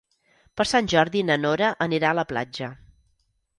Per Sant Jordi na Nora anirà a la platja.